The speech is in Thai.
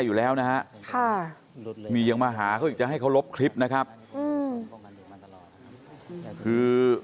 คุณกัลจอมพลังบอกจะมาให้ลบคลิปได้อย่างไร